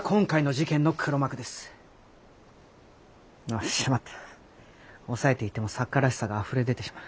あっしまった抑えていても作家らしさがあふれ出てしまう。